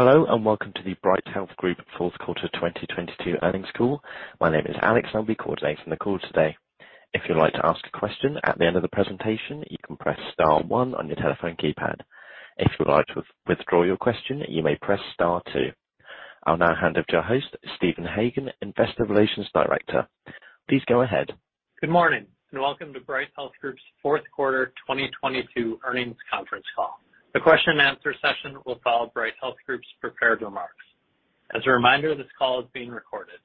Hello, welcome to the Bright Health Group fourth quarter 2022 earnings call. My name is Alex. I'll be coordinating the call today. If you'd like to ask a question at the end of the presentation, you can press star one on your telephone keypad. If you would like to withdraw your question, you may press star two. I'll now hand off to our host, Stephen Hagan, Investor Relations Director. Please go ahead. Good morning, welcome to Bright Health Group's fourth quarter 2022 earnings conference call. The question and answer session will follow Bright Health Group's prepared remarks. As a reminder, this call is being recorded.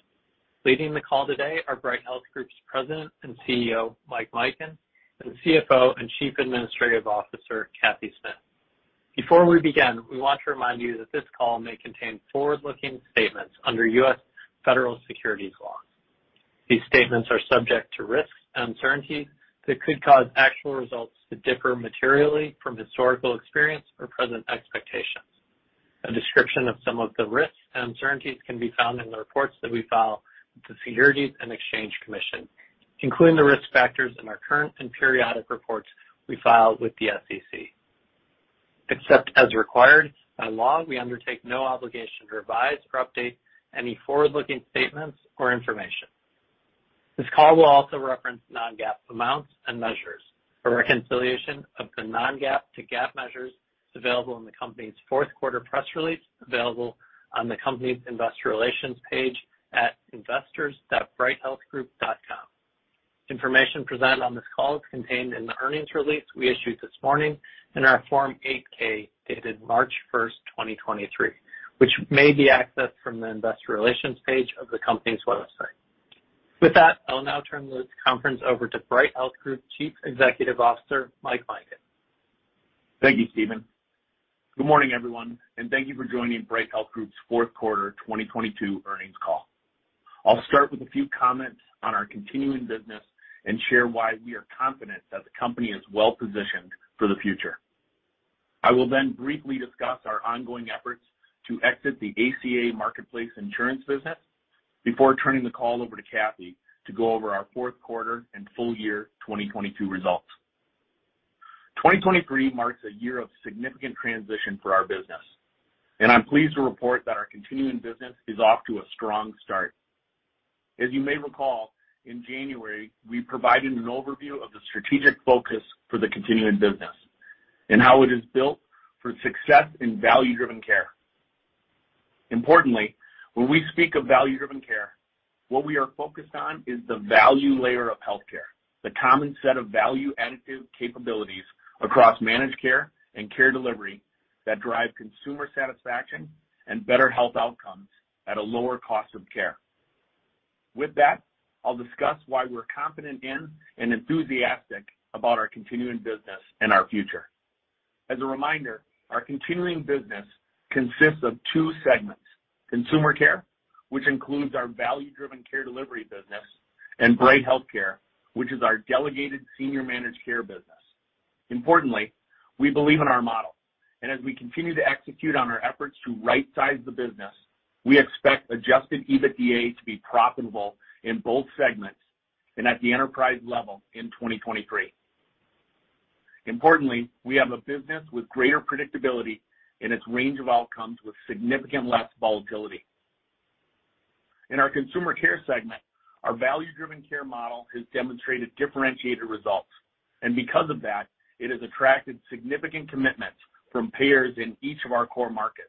Leading the call today are Bright Health Group's President and CEO, Mike Mikan, and CFO and Chief Administrative Officer, Cathy Smith. Before we begin, we want to remind you that this call may contain forward-looking statements under U.S. federal securities laws. These statements are subject to risks and uncertainties that could cause actual results to differ materially from historical experience or present expectations. A description of some of the risks and uncertainties can be found in the reports that we file with the Securities and Exchange Commission, including the risk factors in our current and periodic reports we file with the SEC. Except as required by law, we undertake no obligation to revise or update any forward-looking statements or information. This call will also reference non-GAAP amounts and measures. A reconciliation of the non-GAAP to GAAP measures is available in the company's fourth quarter press release, available on the company's investor relations page at investors.brighthealthgroup.com. Information presented on this call is contained in the earnings release we issued this morning in our Form 8-K, dated March first, 2023, which may be accessed from the investor relations page of the company's website. I'll now turn this conference over to Bright Health Group Chief Executive Officer, Mike Mikan. Thank you, Stephen. Good morning, everyone, and thank you for joining Bright Health Group's fourth quarter 2022 earnings call. I'll start with a few comments on our continuing business and share why we are confident that the company is well-positioned for the future. I will then briefly discuss our ongoing efforts to exit the ACA Marketplace insurance business before turning the call over to Cathy to go over our fourth quarter and full year 2022 results. 2023 marks a year of significant transition for our business, and I'm pleased to report that our continuing business is off to a strong start. As you may recall, in January, we provided an overview of the strategic focus for the continuing business and how it is built for success in value-driven care. When we speak of value-driven care, what we are focused on is the value layer of healthcare, the common set of value-additive capabilities across managed care and care delivery that drive consumer satisfaction and better health outcomes at a lower cost of care. I'll discuss why we're confident in and enthusiastic about our continuing business and our future. Our continuing business consists of two segments: Consumer Care, which includes our value-driven care delivery business, and Bright HealthCare, which is our delegated senior managed care business. We believe in our model, and as we continue to execute on our efforts to right-size the business, we expect adjusted EBITDA to be profitable in both segments and at the enterprise level in 2023. We have a business with greater predictability in its range of outcomes with significant less volatility. In our Consumer Care segment, our value-driven care model has demonstrated differentiated results, because of that, it has attracted significant commitments from payers in each of our core markets.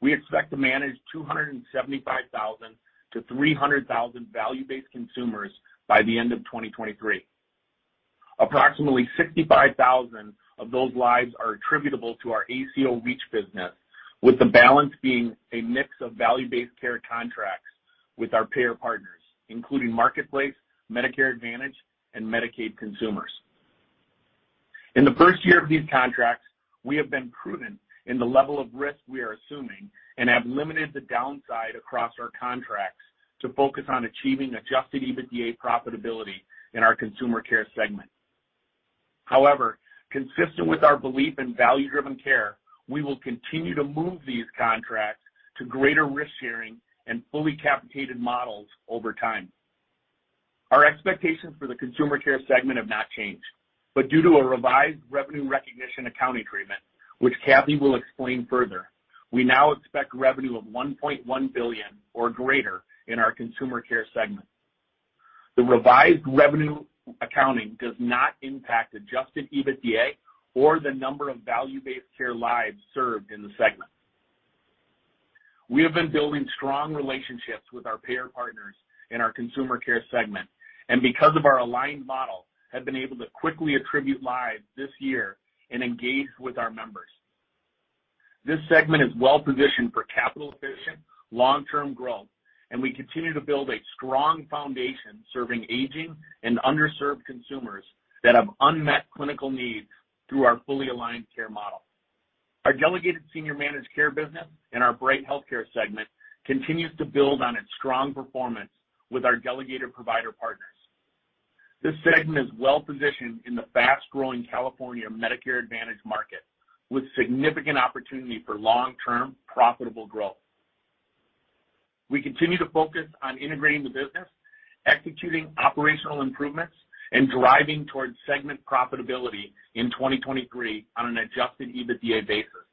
We expect to manage 275,000-300,000 value-based consumers by the end of 2023. Approximately 65,000 of those lives are attributable to our ACO REACH business, with the balance being a mix of value-based care contracts with our payer partners, including Marketplace, Medicare Advantage, and Medicaid consumers. In the first year of these contracts, we have been prudent in the level of risk we are assuming and have limited the downside across our contracts to focus on achieving adjusted EBITDA profitability in our Consumer Care segment. Consistent with our belief in value-driven care, we will continue to move these contracts to greater risk sharing and fully capitated models over time. Our expectations for the Consumer Care segment have not changed, but due to a revised revenue recognition accounting treatment, which Cathy will explain further, we now expect revenue of $1.1 billion or greater in our Consumer Care segment. The revised revenue accounting does not impact adjusted EBITDA or the number of value-based care lives served in the segment. We have been building strong relationships with our payer partners in our Consumer Care segment, and because of our aligned model, we have been able to quickly attribute lives this year and engage with our members. This segment is well positioned for capital-efficient, long-term growth, and we continue to build a strong foundation serving aging and underserved consumers who have unmet clinical needs through our fully aligned care model. Our delegated senior managed care business in our Bright HealthCare segment continues to build on its strong performance with our delegated provider partners. This segment is well-positioned in the fast-growing California Medicare Advantage market with significant opportunity for long-term profitable growth. We continue to focus on integrating the business, executing operational improvements, and driving towards segment profitability in 2023 on an adjusted EBITDA basis.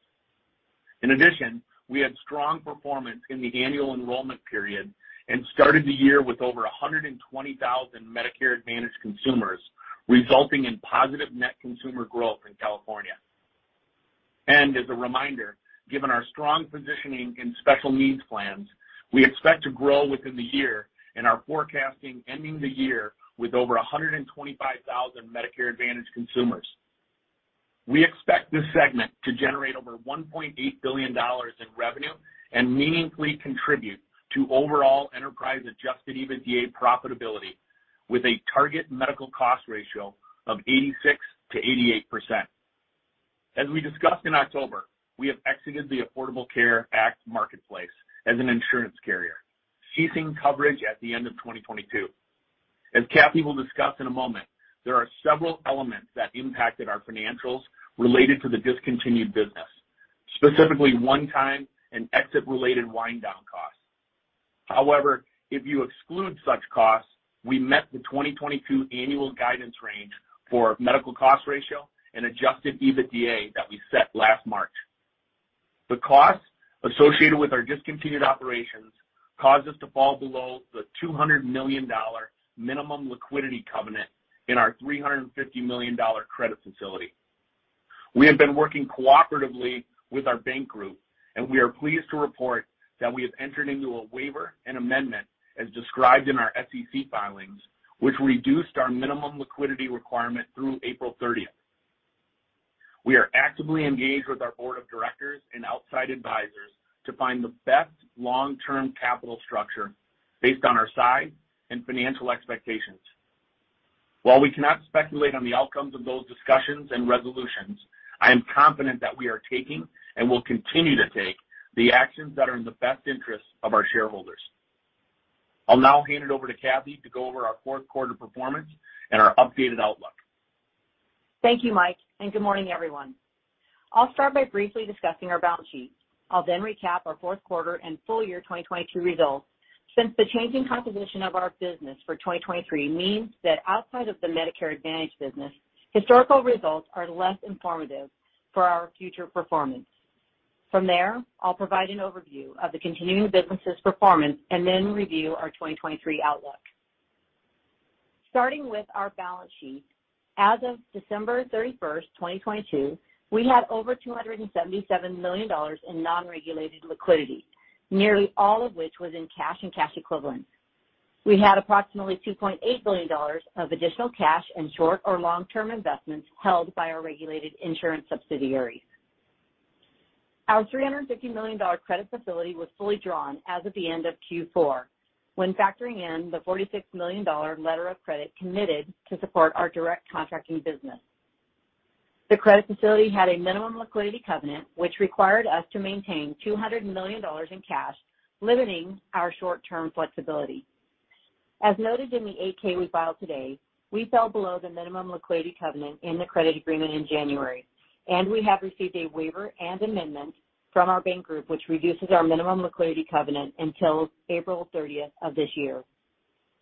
In addition, we had a strong performance in the annual enrollment period and started the year with over 120,000 Medicare Advantage consumers, resulting in positive net consumer growth in California. As a reminder, given our strong positioning in Special Needs Plans, we expect to grow within the year and are forecasting ending the year with over 125,000 Medicare Advantage consumers. We expect this segment to generate over $1.8 billion in revenue and meaningfully contribute to overall enterprise adjusted EBITDA profitability with a target medical cost ratio of 86%-88%. As we discussed in October, we have exited the Affordable Care Act Marketplace as an insurance carrier, ceasing coverage at the end of 2022. As Cathy will discuss in a moment, there are several elements that impacted our financials related to the discontinued business, specifically one-time and exit-related wind-down costs. If you exclude such costs, we met the 2022 annual guidance range for medical cost ratio and adjusted EBITDA that we set last March. The costs associated with our discontinued operations caused us to fall below the $200 million minimum liquidity covenant in our $350 million credit facility. We have been working cooperatively with our bank group, and we are pleased to report that we have entered into a waiver and amendment, as described in our SEC filings, which reduced our minimum liquidity requirement through April 30th. We are actively engaged with our board of directors and outside advisors to find the best long-term capital structure based on our size and financial expectations. While we cannot speculate on the outcomes of those discussions and resolutions, I am confident that we are taking and will continue to take the actions that are in the best interest of our shareholders. I'll now hand it over to Cathy to go over our fourth quarter performance and our updated outlook. Thank you, Mike. Good morning, everyone. I'll start by briefly discussing our balance sheet. I'll recap our fourth quarter and full year 2022 results, since the changing composition of our business for 2023 means that outside of the Medicare Advantage business, historical results are less informative for our future performance. From there, I'll provide an overview of the continuing business's performance and review our 2023 outlook. Starting with our balance sheet. As of December 31st, 2022, we had over $277 million in non-regulated liquidity, nearly all of which was in cash and cash equivalents. We had approximately $2.8 billion of additional cash and short or long-term investments held by our regulated insurance subsidiaries. Our $350 million credit facility was fully drawn as of the end of Q4 when factoring in the $46 million letter of credit committed to support our Direct Contracting business. The credit facility had a minimum liquidity covenant, which required us to maintain $200 million in cash, limiting our short-term flexibility. As noted in the 8-K we filed today, we fell below the minimum liquidity covenant in the credit agreement in January, and we have received a waiver and amendment from our bank group, which reduces our minimum liquidity covenant until April 30th of this year.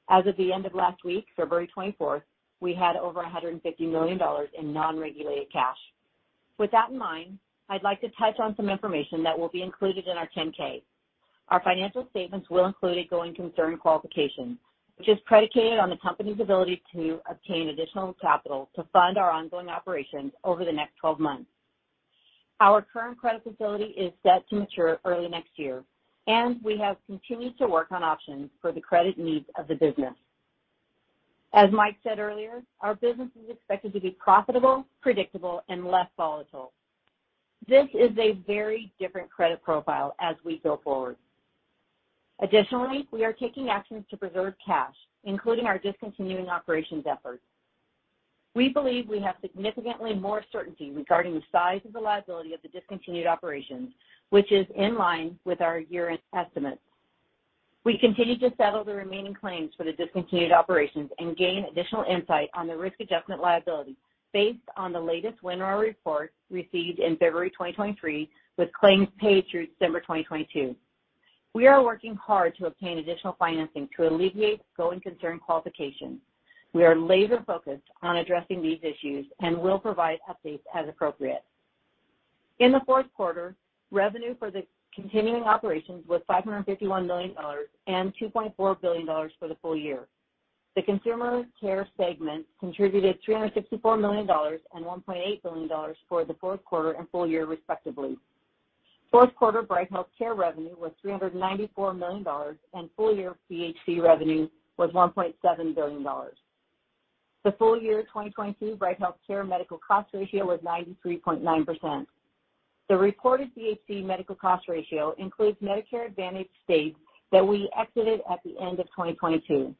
As of the end of last week, February 24th, we had over $150 million in non-regulated cash. With that in mind, I'd like to touch on some information that will be included in our 10-K. Our financial statements will include a going concern qualification, which is predicated on the company's ability to obtain additional capital to fund our ongoing operations over the next 12 months. Our current credit facility is set to mature early next year, and we have continued to work on options for the credit needs of the business. As Mike said earlier, our business is expected to be profitable, predictable, and less volatile. This is a very different credit profile as we go forward. We are taking actions to preserve cash, including our discontinuing operations efforts. We believe we have significantly more certainty regarding the size of the liability of the discontinued operations, which is in line with our year-end estimates. We continue to settle the remaining claims for the discontinued operations and gain additional insight on the risk adjustment liability based on the latest runout report received in February 2023, with claims paid through December 2022. We are working hard to obtain additional financing to alleviate going concern qualifications. We are laser-focused on addressing these issues and will provide updates as appropriate. In the fourth quarter, revenue for the continuing operations was $551 million and $2.4 billion for the full year. The Consumer Care segment contributed $354 million and $1.8 billion for the fourth quarter and full year, respectively. Fourth quarter Bright HealthCare revenue was $394 million, and full year BHC revenue was $1.7 billion. The full year 2022 Bright HealthCare medical cost ratio was 93.9%. The reported BHC medical cost ratio includes Medicare Advantage states that we exited at the end of 2022.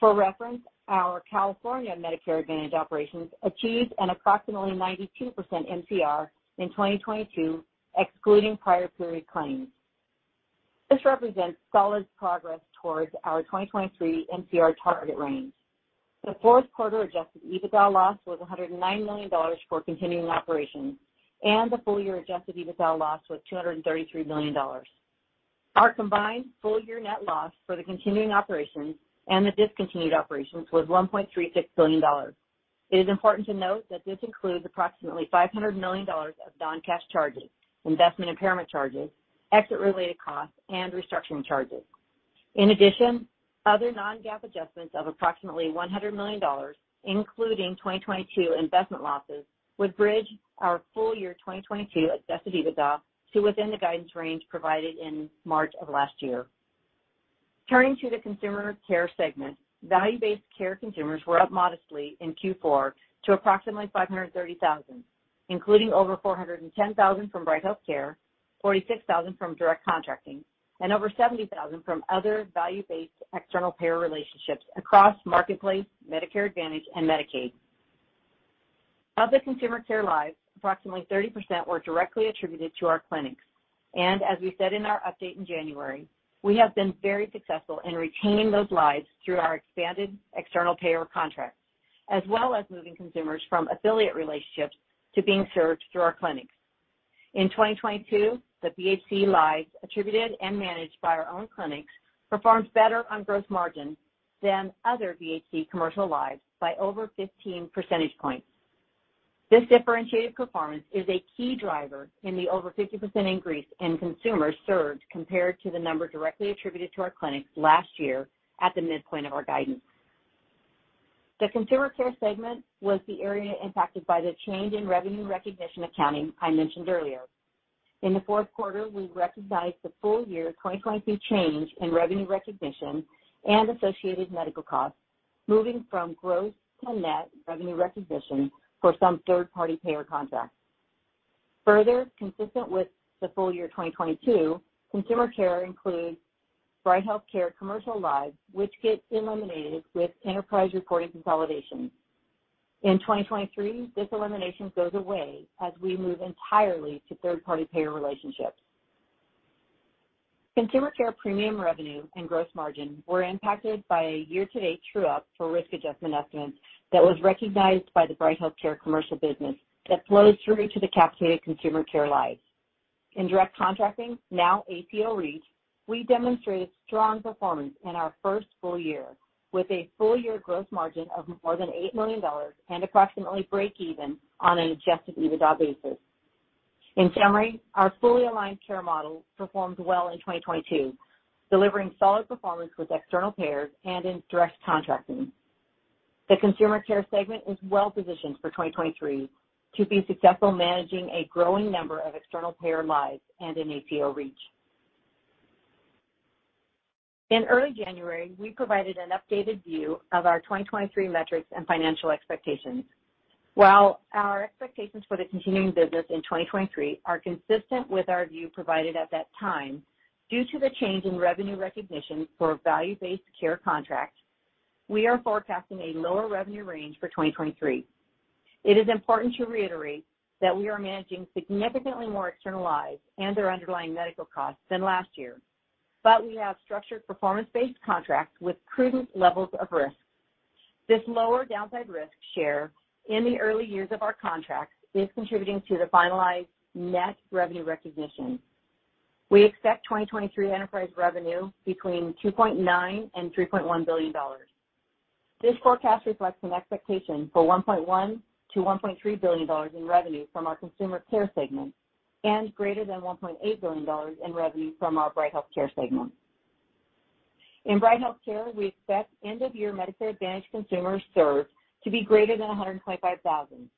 For reference, our California Medicare Advantage operations achieved an approximately 92% MCR in 2022, excluding prior period claims. This represents solid progress towards our 2023 MCR target range. The fourth quarter adjusted EBITDA loss was $109 million for continuing operations, and the full year adjusted EBITDA loss was $233 million. Our combined full-year net loss for the continuing operations and the discontinued operations was $1.36 billion. It is important to note that this includes approximately $500 million of non-cash charges, investment impairment charges, exit-related costs, and restructuring charges. In addition, other non-GAAP adjustments of approximately $100 million, including 2022 investment losses, would bridge our full-year 2022 adjusted EBITDA to within the guidance range provided in March of last year. Turning to the Consumer Care segment, value-based care consumers were up modestly in Q4 to approximately 530,000, including over 410,000 from Bright HealthCare, 46,000 from Direct Contracting, and over 70,000 from other value-based external payer relationships across Marketplace, Medicare Advantage, and Medicaid. Of the Consumer Care lives, approximately 30% were directly attributed to our clinics. As we said in our update in January, we have been very successful in retaining those lives through our expanded external payer contracts, as well as moving consumers from affiliate relationships to being served through our clinics. In 2022, the BHC lives attributed and managed by our own clinics performed better on gross margin than other BHC commercial lives by over 15 percentage points. This differentiated performance is a key driver in the over 50% increase in consumers served compared to the number directly attributed to our clinics last year at the midpoint of our guidance. The Consumer Care segment was the area impacted by the change in revenue recognition accounting I mentioned earlier. In the fourth quarter, we recognized the full year 2022 change in revenue recognition and associated medical costs, moving from gross to net revenue recognition for some third-party payer contracts. Consistent with the full-year 2022, Consumer Care includes Bright HealthCare commercial lives, which get eliminated with enterprise reporting consolidation. In 2023, this elimination goes away as we move entirely to third-party payer relationships. Consumer Care premium revenue and gross margin were impacted by a year-to-date true-up for risk adjustment estimates that was recognized by the Bright HealthCare commercial business that flows through to the capitated Consumer Care lives. In Direct Contracting, now ACO REACH, we demonstrated strong performance in our first full year with a full-year gross margin of more than $8 million and approximately break-even on an adjusted EBITDA basis. In summary, our fully aligned care model performed well in 2022, delivering solid performance with external payers and in Direct Contracting. The Consumer Care segment is well-positioned for 2023 to be successful, managing a growing number of external payer lives and an ACO REACH. In early January, we provided an updated view of our 2023 metrics and financial expectations. While our expectations for the continuing business in 2023 are consistent with our view provided at that time, due to the change in revenue recognition for value-based care contracts, we are forecasting a lower revenue range for 2023. It is important to reiterate that we are managing significantly more external lives and their underlying medical costs than last year, but we have structured performance-based contracts with prudent levels of risk. This lower downside risk share in the early years of our contracts is contributing to the finalized net revenue recognition. We expect 2023 enterprise revenue between $2.9 billion-$3.1 billion. This forecast reflects an expectation for $1.1 billion-$1.3 billion in revenue from our Consumer Care segment and greater than $1.8 billion in revenue from our Bright HealthCare segment. In Bright HealthCare, we expect end of year Medicare Advantage consumers served to be greater than 125,000,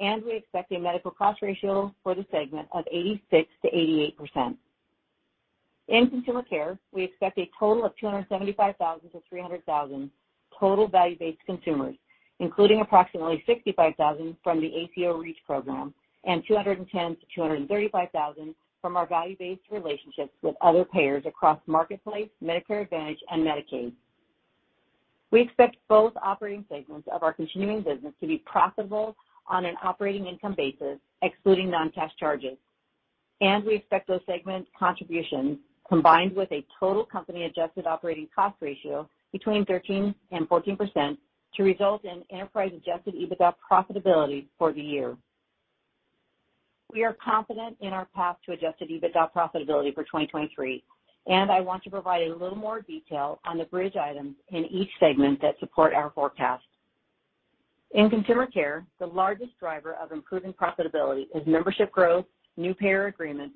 and we expect a medical cost ratio for the segment of 86%-88%. In Consumer Care, we expect a total of 275,000-300,000 total value-based consumers, including approximately 65,000 from the ACO REACH program and 210,000-235,000 from our value-based relationships with other payers across Marketplace, Medicare Advantage, and Medicaid. We expect both operating segments of our continuing business to be profitable on an operating income basis, excluding non-cash charges. We expect those segment contributions, combined with a total company adjusted operating cost ratio between 13% and 14%, to result in enterprise adjusted EBITDA profitability for the year. We are confident in our path to adjusted EBITDA profitability for 2023. I want to provide a little more detail on the bridge items in each segment that support our forecast. In Consumer Care, the largest driver of improving profitability is membership growth, new payer agreements,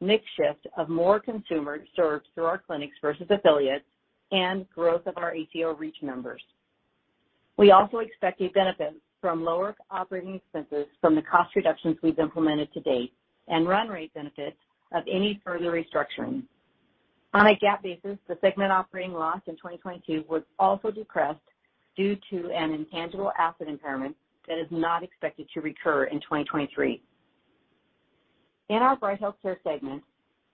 mix shift of more consumers served through our clinics versus affiliates, and growth of our ACO REACH members. We also expect a benefit from lower operating expenses from the cost reductions we've implemented to date and run-rate benefits of any further restructuring. On a GAAP basis, the segment operating loss in 2022 was also depressed due to an intangible asset impairment that is not expected to recur in 2023. In our Bright HealthCare segment,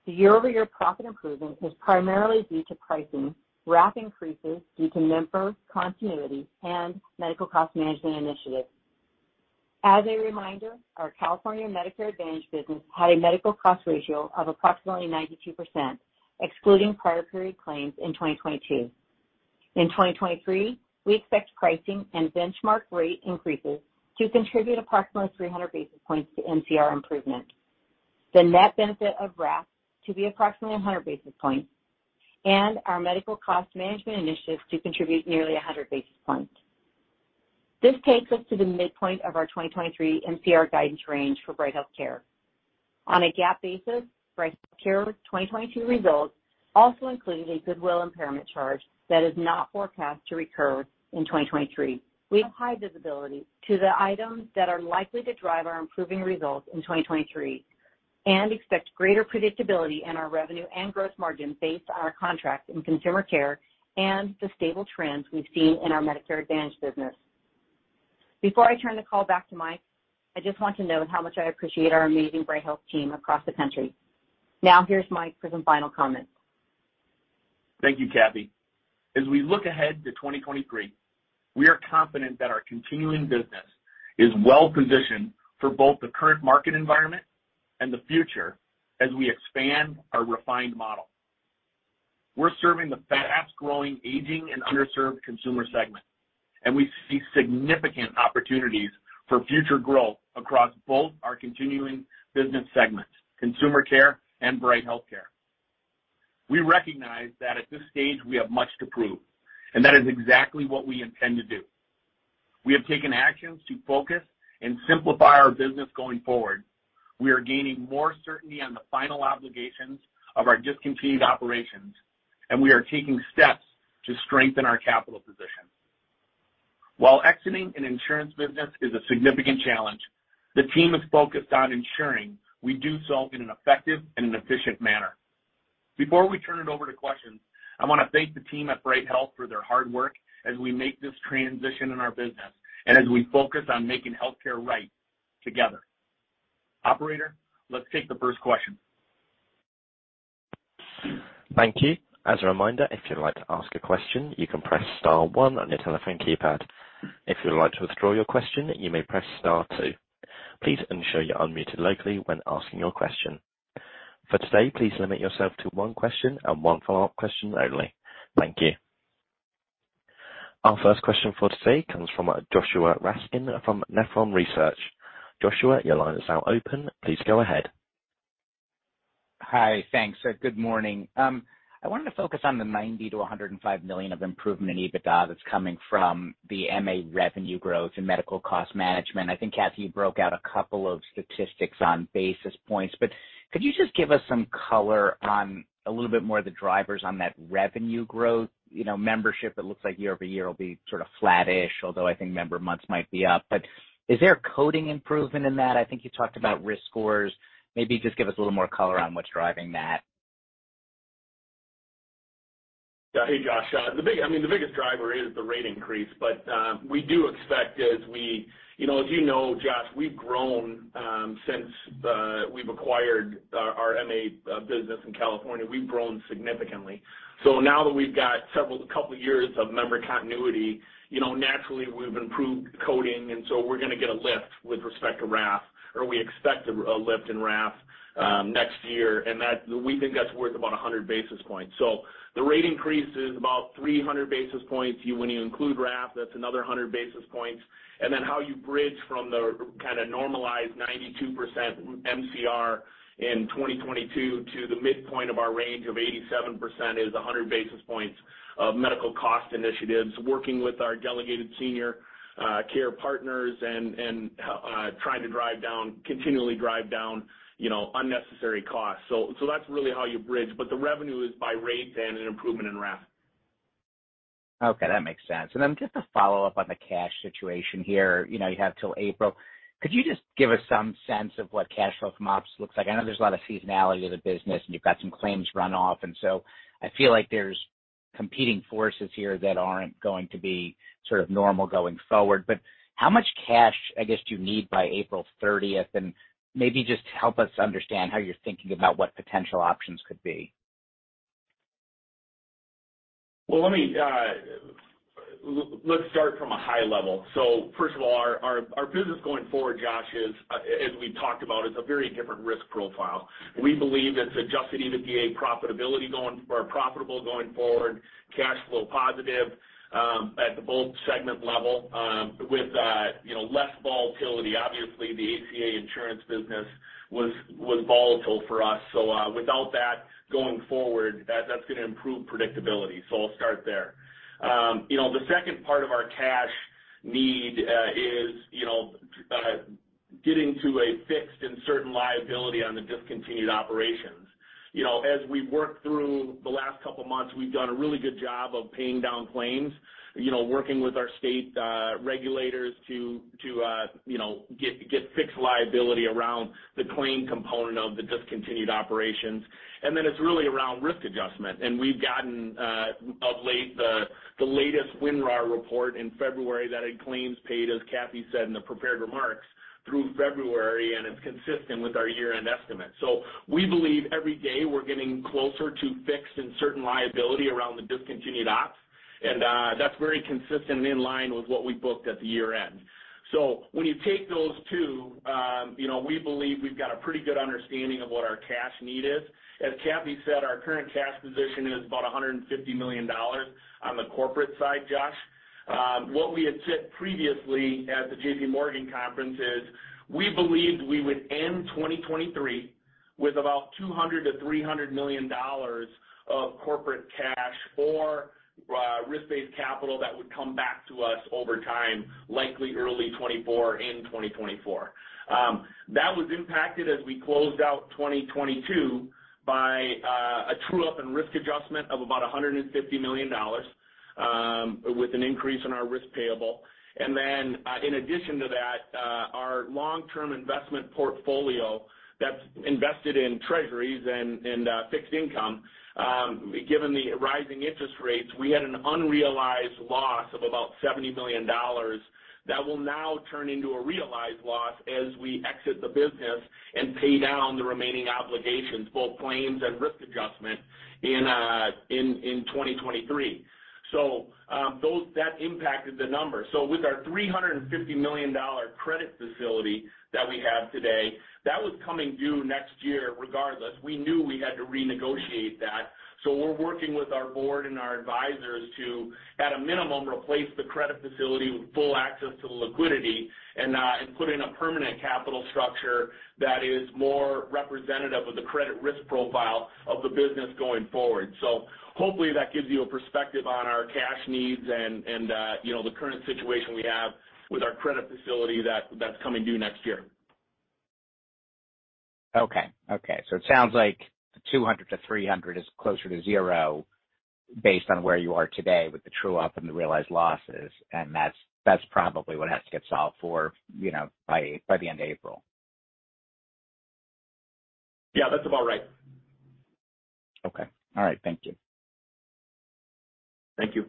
the year-over-year profit improvement is primarily due to pricing, RADV increases due to member continuity, and medical cost management initiatives. As a reminder, our California Medicare Advantage business had a medical cost ratio of approximately 92%, excluding prior period claims in 2022. In 2023, we expect pricing and benchmark rate increases to contribute approximately 300 basis points to MCR improvement. The net benefit of RADV to be approximately 100 basis points, and our medical cost management initiatives to contribute nearly 100 basis points. This takes us to the midpoint of our 2023 MCR guidance range for Bright HealthCare. On a GAAP basis, Bright HealthCare's 2022 results also included a goodwill impairment charge that is not forecast to recur in 2023. We have high visibility to the items that are likely to drive our improving results in 2023 and expect greater predictability in our revenue and gross margin based on our contracts in Consumer Care and the stable trends we've seen in our Medicare Advantage business. Before I turn the call back to Mike, I just want to note how much I appreciate our amazing Bright Health team across the country. Here's Mike for some final comments. Thank you, Cathy. As we look ahead to 2023, we are confident that our continuing business is well-positioned for both the current market environment and the future as we expand our refined model. We're serving the fast-growing, aging, and underserved consumer segment. We see significant opportunities for future growth across both our continuing business segments, Consumer Care and Bright HealthCare. We recognize that at this stage, we have much to prove. That is exactly what we intend to do. We have taken actions to focus and simplify our business going forward. We are gaining more certainty on the final obligations of our discontinued operations. We are taking steps to strengthen our capital position. While exiting an insurance business is a significant challenge, the team is focused on ensuring we do so in an effective and an efficient manner. Before we turn it over to questions, I want to thank the team at Bright Health for their hard work as we make this transition in our business and as we focus on making healthcare right together. Operator, let's take the first question. Thank you. As a reminder, if you'd like to ask a question, you can press star one on your telephone keypad. If you'd like to withdraw your question, you may press star two. Please ensure you're unmuted locally when asking your question. For today, please limit yourself to one question and one follow-up question only. Thank you. Our first question for today comes from Joshua Raskin from Nephron Research. Joshua, your line is now open. Please go ahead. Hi. Thanks. Good morning. I wanted to focus on the $90 million-$105 million of improvement in EBITDA that's coming from the MA revenue growth and medical cost management. I think, Cathy, you broke out a couple of statistics on basis points, but could you just give us some color on a little bit more of the drivers of that revenue growth? You know, membership, it looks like year-over-year will be sort of flattish, although I think member months might be up. Is there a coding improvement in that? I think you talked about risk scores. Maybe just give us a little more color on what's driving that. Hey, Josh. I mean, the biggest driver is the rate increase. We do expect as we, you know, as you know, Josh, we've grown since the, we've acquired our MA business in California, we've grown significantly. Now that we've got several, a couple of years of member continuity, you know, naturally we've improved coding, and so we're gonna get a lift with respect to RADV, or we expect a lift in RADV next year. That, we think that's worth about 100 basis points. The rate increase is about 300 basis points. When you include RADV, that's another 100 basis points. How you bridge from the kind of normalized 92% MCR in 2022 to the midpoint of our range of 87% is 100 basis points of medical cost initiatives, working with our delegated senior care partners and trying to drive down, continually drive down, you know, unnecessary costs. That's really how you bridge. The revenue is by rates and an improvement in RADV. Okay, that makes sense. Then just to follow up on the cash situation here. You know, you have till April. Could you just give us some sense of what cash flow from ops looks like? I know there's a lot of seasonality to the business, and you've got some claims run off, and so I feel like there's competing forces here that aren't going to be sort of normal going forward. How much cash, I guess, do you need by April 30th? Maybe just help us understand how you're thinking about what potential options could be. Let me, let's start from a high level. First of all, our business going forward, Josh, is as we talked about, is a very different risk profile. We believe it's adjusted EBITDA profitability or profitable going forward, cash flow positive, at the bold segment level, with you know, less volatility. The ACA insurance business was volatile for us. Without that, going forward, that's gonna improve predictability. I'll start there. You know, the second part of our cash need is you know, getting to a fixed and certain liability on the discontinued operations. You know, as we've worked through the last couple of months, we've done a really good job of paying down claims, you know, working with our state regulators to get fixed liability around the claim component of the discontinued operations. It's really around risk adjustment. We've gotten of late the latest runout report in February that had claims paid, as Cathy said in the prepared remarks, through February, and it's consistent with our year-end estimate. We believe every day we're getting closer to fixing and certain liability around the discontinued ops. And that's very consistent and in line with what we booked at the year-end. When you take those two, you know, we believe we've got a pretty good understanding of what our cash need is. As Cathy said, our current cash position is about $150 million on the corporate side, Josh. What we had said previously at the JPMorgan conference is we believed we would end 2023 with about $200 million-$300 million of corporate cash or risk-based capital that would come back to us over time, likely early 2024, in 2024. That was impacted as we closed out 2022 by a true-up and risk adjustment of about $150 million, with an increase in our risk payable. In addition to that, our long-term investment portfolio that's invested in treasuries and fixed income, given the rising interest rates, we had an unrealized loss of about $70 million that will now turn into a realized loss as we exit the business and pay down the remaining obligations, both claims and risk adjustment in, in 2023. That impacted the numbers. With our $350 million credit facility that we have today, that was coming due next year regardless. We knew we had to renegotiate that. We're working with our board and our advisors to, at a minimum, replace the credit facility with full access to the liquidity and put in a permanent capital structure that is more representative of the credit risk profile of the business going forward. Hopefully, that gives you a perspective on our cash needs and, you know, the current situation we have with our credit facility that's coming due next year. Okay. Okay. It sounds like $200-$300 is closer to zero based on where you are today with the true-up and the realized losses, and that's probably what has to get solved for, you know, by the end of April. Yeah, that's about right. Okay. All right. Thank you. Thank you.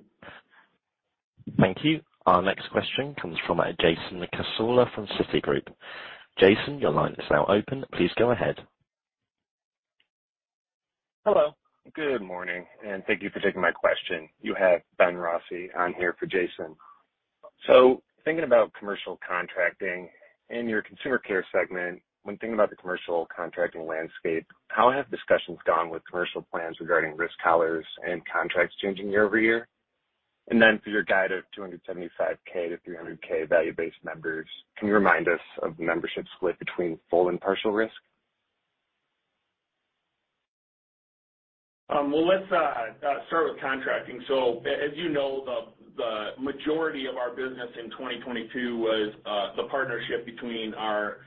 Thank you. Our next question comes from Jason Cassorla from Citigroup. Jason, your line is now open. Please go ahead. Hello, good morning, and thank you for taking my question. You have Ben Rossi. I'm here for Jason. Thinking about commercial contracting in your Consumer Care segment, when thinking about the commercial contracting landscape, how have discussions gone with commercial plans regarding risk collars and contracts changing year-over-year? For your guide of 275,000-300,000 value-based members, can you remind us of the membership split between full and partial risk? Well, let's start with contracting. As you know, the majority of our business in 2022 was the partnership between our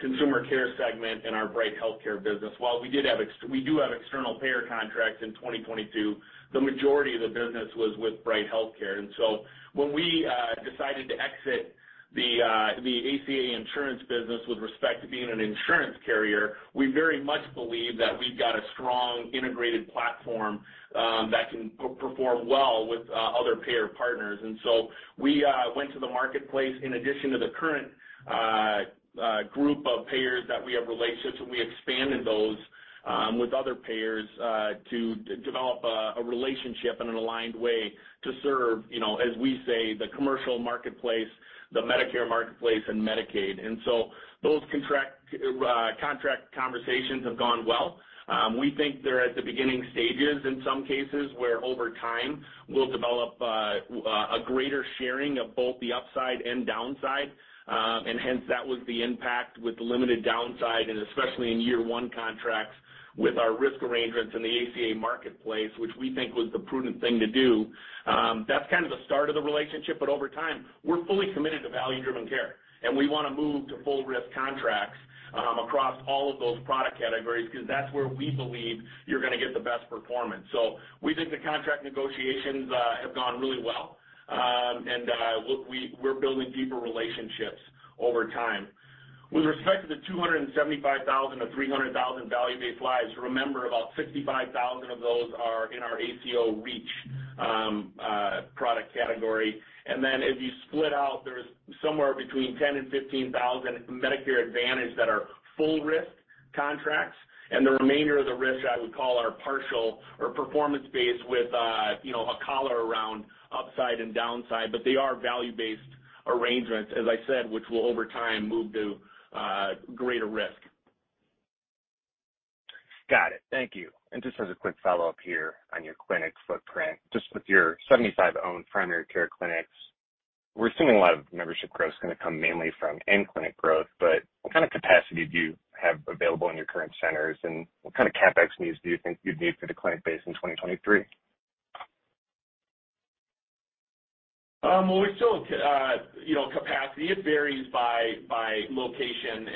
Consumer Care segment and our Bright HealthCare business. While we do have external payer contracts in 2022, the majority of the business was with Bright HealthCare. When we decided to exit the ACA insurance business with respect to being an insurance carrier, we very much believe that we've got a strong integrated platform that can perform well with other payer partners. We went to the Marketplace in addition to the current group of payers that we have relationships, and we expanded those with other payers to develop a relationship and an aligned way to serve, you know, as we say, the commercial Marketplace, the Medicare Marketplace and Medicaid. Those contract conversations have gone well. We think they're at the beginning stages in some cases, where over time, we'll develop a greater sharing of both the upside and downside, and hence that was the impact with limited downside, and especially in year one contracts with our risk arrangements in the ACA Marketplace, which we think was the prudent thing to do. That's kind of the start of the relationship, but over time, we're fully committed to value-driven care, and we want to move to full risk contracts across all of those product categories because that's where we believe you're going to get the best performance. We think the contract negotiations have gone really well. Look, we're building deeper relationships over time. With respect to the 275,000-300,000 value-based lives, remember, about 65,000 of those are in our ACO REACH product category. Then, if you split out, there's somewhere between 10,000 and 15,000 Medicare Advantage that are full risk contracts. The remainder of the risk I would call our partial or performance-based, with, you know, a collar around upside and downside. They are value-based arrangements, as I said, which will over time, move to greater risk. Got it. Thank you. Just as a quick follow-up here on your clinic footprint, just with your 75 owned primary care clinics, we're assuming a lot of membership growth is going to come mainly from in-clinic growth. What kind of capacity do you have available in your current centers, and what kind of CapEx needs do you think you'd need for the clinic based in 2023? Well, we still, you know, capacity, it varies by location.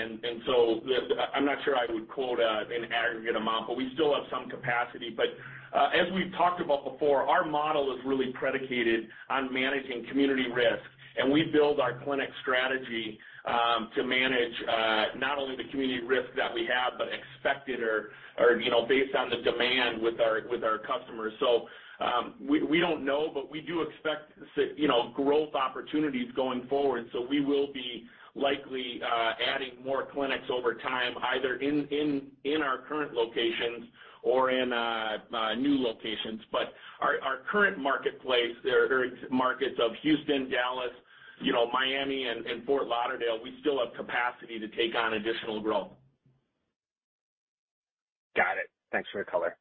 I'm not sure I would quote an aggregate amount, but we still have some capacity. As we've talked about before, our model is really predicated on managing community risk, and we build our clinic strategy to manage not only the community risk that we have, but expected or, you know, based on the demand with our customers. We, we don't know, but we do expect to see, you know, growth opportunities going forward. We will be likely adding more clinics over time, either in our current locations or in new locations. Our current Marketplace, their markets of Houston, Dallas, you know, Miami, and Fort Lauderdale, we still have capacity to take on additional growth. Got it. Thanks for your color.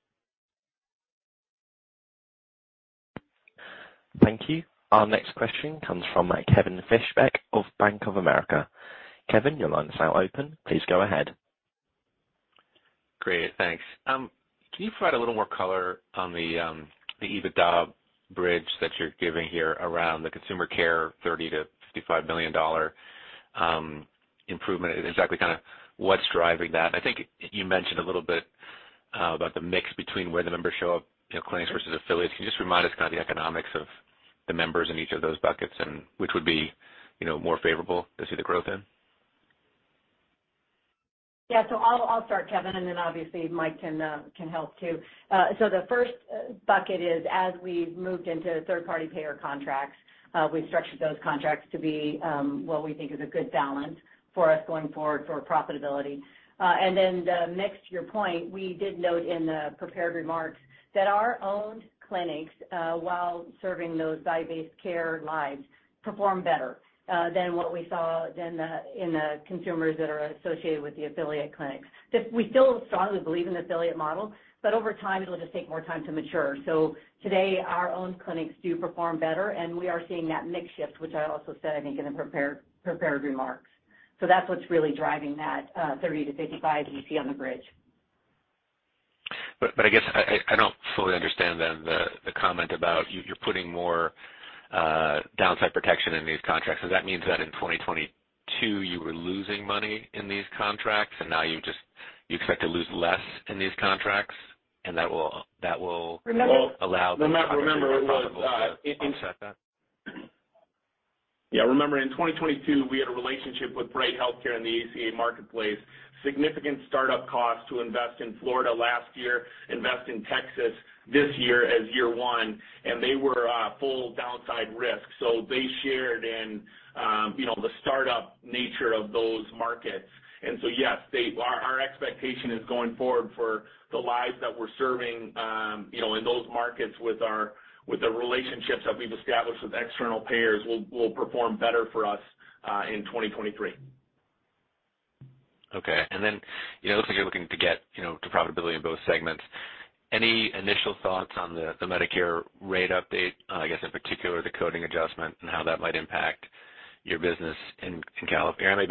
Thank you. Our next question comes from Kevin Fischbeck of Bank of America. Kevin, your line is now open. Please go ahead. Great. Thanks. Can you provide a little more color on the EBITDA bridge that you're giving here around the Consumer Care $30 million-$55 million improvement? Exactly kind of what's driving that. I think you mentioned a little bit about the mix between where the members show up, you know, clinics versus affiliates. Can you just remind us, kind of, the economics of the members in each of those buckets, and which would be, you know, more favorable to see the growth in? Yeah. I'll start, Kevin, and then obviously Mike can help too. The first bucket is, as we've moved into third-party payer contracts, we've structured those contracts to be what we think is a good balance for us going forward for profitability. The mix to your point, we did note in the prepared remarks that our own clinics, while serving those value-based care lives, perform better than what we saw in the consumers that are associated with the affiliate clinics. We still strongly believe in the affiliate model, but over time, it'll just take more time to mature. Today, our own clinics do perform better, and we are seeing that mix shift, which I also said, I think, in the prepared remarks. That's what's really driving that, $30 million-$55 million that you see on the bridge. I guess I don't fully understand then the comment about you're putting more downside protection in these contracts. That means that in 2022, you were losing money in these contracts, and now you expect to lose less in these contracts. Remember- Well, remember. Allow those contracts to be more profitable to offset that. Yeah, remember in 2022, we had a relationship with Bright HealthCare in the ACA Marketplace. Significant startup costs to invest in Florida last year, invest in Texas this year as year one, and they were full downside risk. They shared in, you know, the startup nature of those markets. Yes, our expectation is going forward for the lives that we're serving, you know, in those markets with our, with the relationships that we've established with external payers, will perform better for us in 2023. Okay. You know, it looks like you're looking to get, you know, to profitability in both segments. Any initial thoughts on the Medicare rate update, I guess in particular, the coding adjustment and how that might impact your business in California,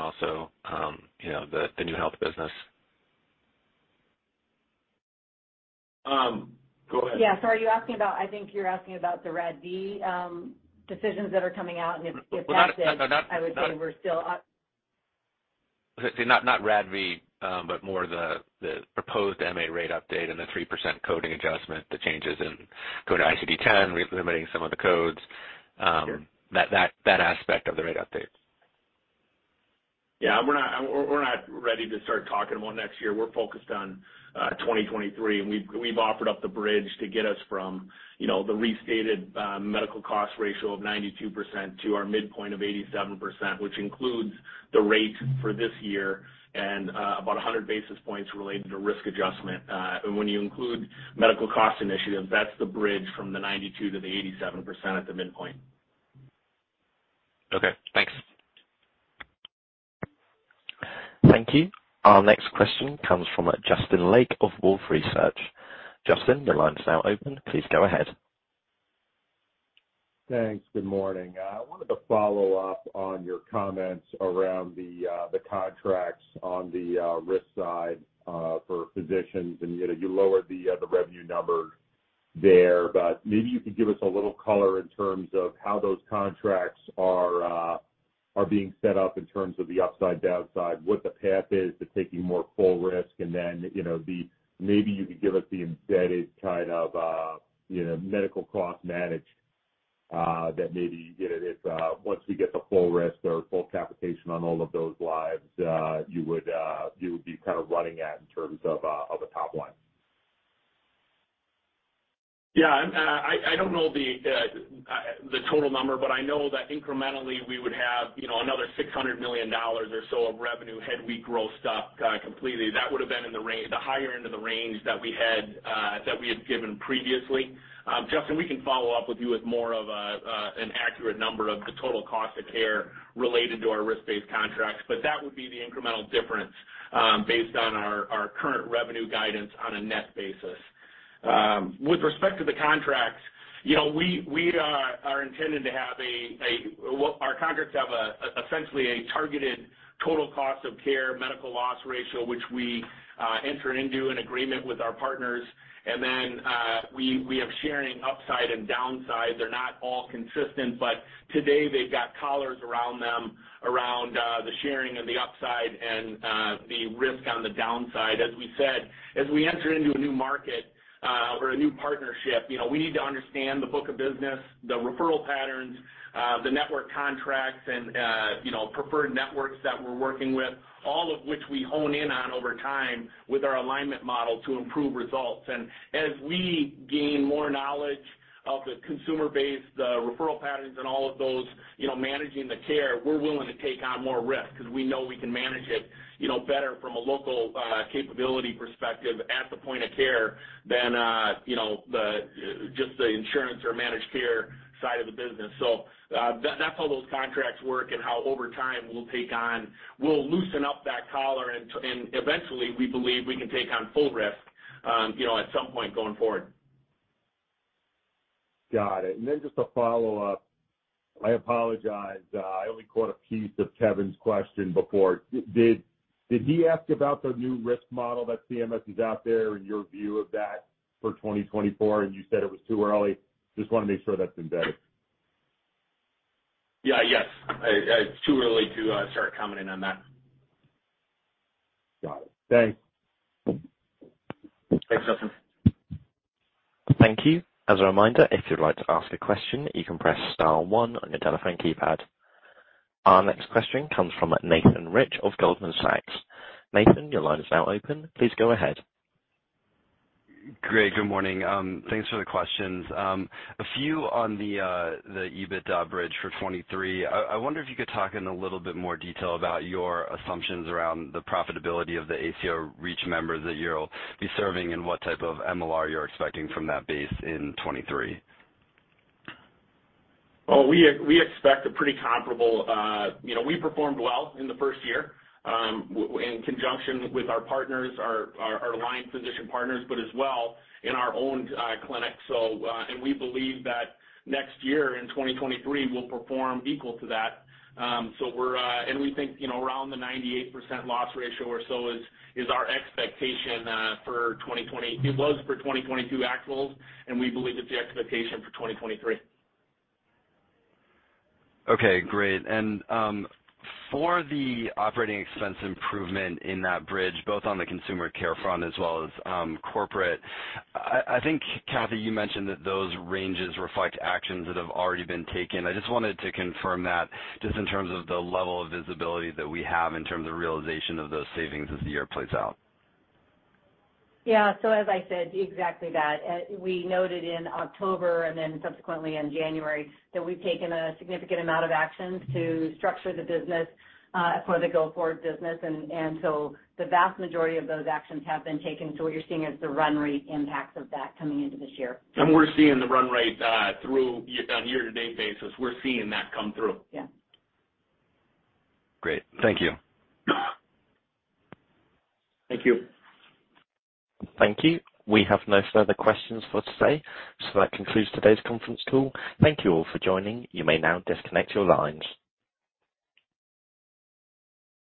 also, you know, the NeueHealth business? Go ahead. Yeah. I think you're asking about the RADV decisions that are coming out, and if that's it. No, no. I would say we're still... Not, not RADV, but more the proposed MA rate update and the 3% coding adjustment, the changes in code ICD-10, relimiting some of the codes. Sure. That aspect of the rate update. Yeah. We're not ready to start talking about next year. We're focused on 2023, we've offered up the bridge to get us from, you know, the restated medical cost ratio of 92% to our midpoint of 87%, which includes the rate for this year and about 100 basis points related to risk adjustment. When you include medical cost initiatives, that's the bridge from the 92% to the 87% at the midpoint. Okay, thanks. Thank you. Our next question comes from Justin Lake of Wolfe Research. Justin, your line is now open. Please go ahead. Thanks. Good morning. I wanted to follow up on your comments around the contracts on the risk side for physicians. You know, you lowered the revenue numbers there, but maybe you could give us a little color in terms of how those contracts are being set up in terms of the upside, downside, what the path is to taking more full risk. You know, maybe you could give us the embedded kind of, you know, medical cost manage that maybe, you know, if once we get the full risk or full capitation on all of those lives, you would be kind of running at in terms of a top line? Yeah. I don't know the total number, but I know that incrementally we would have, you know, another $600 million or so of revenue had we grown stock completely. That would have been in the higher end of the range that we had given previously. Justin, we can follow up with you with more of an accurate number of the total cost of care related to our risk-based contracts, but that would be the incremental difference based on our current revenue guidance on a net basis. With respect to the contracts, you know, we are intending to have our contracts have essentially a targeted total cost of care medical loss ratio, which we enter into an agreement with our partners. We have sharing upside and downside. They're not all consistent, but today they've got collars around them, around the sharing of the upside and the risk on the downside. As we enter into a new market, or a new partnership, you know, we need to understand the book of business, the referral patterns, the network contracts, and, you know, preferred networks that we're working with, all of which we hone in on over time with our alignment model to improve results. As we gain more knowledge of the consumer-based, referral patterns and all of those, you know, managing the care, we're willing to take on more risk because we know we can manage it, you know, better from a local, capability perspective at the point of care than, you know, the, just the insurance or managed care side of the business. That's how those contracts work and how over time we'll take on, we'll loosen up that collar, and eventually, we believe we can take on full risk, you know, at some point going forward. Got it. Just a follow-up. I apologize, I only caught a piece of Kevin's question before. Did he ask about the new risk model that CMS is out there, and your view of that for 2024? You said it was too early. Just wanna make sure that's embedded. Yeah. Yes. It's too early to start commenting on that. Got it. Okay. Thanks, Justin. Thank you. As a reminder, if you'd like to ask a question, you can press star one on your telephone keypad. Our next question comes from Nathan Rich of Goldman Sachs. Nathan, your line is now open. Please go ahead. Great, good morning. Thanks for the questions. A few on the EBITDA bridge for 2023. I wonder if you could talk in a little bit more detail about your assumptions around the profitability of the ACO REACH members that you'll be serving and what type of MLR you're expecting from that base in 2023. Well, we expect a pretty comparable, you know, we performed well in the first year, in conjunction with our partners, our aligned physician partners, but as well in our own clinic. We believe that next year in 2023, we'll perform equal to that. We think, you know, around the 98% loss ratio or so is our expectation for 2020. It was for 2022 actuals, and we believe it's the expectation for 2023. Okay, great. For the operating expense improvement in that bridge, both on the Consumer Care front as well as corporate, I think, Cathy, you mentioned that those ranges reflect actions that have already been taken. I just wanted to confirm that, just in terms of the level of visibility that we have in terms of realization of those savings as the year plays out. Yeah. As I said, exactly that. We noted in October and then subsequently in January that we've taken a significant amount of actions to structure the business for the go-forward business. The vast majority of those actions have been taken. What you're seeing is the run rate impact of that coming into this year. We're seeing the run rate, on a year-to-date basis. We're seeing that come through. Yeah. Great. Thank you. Thank you. Thank you. We have no further questions for today. That concludes today's conference call. Thank you all for joining. You may now disconnect your lines.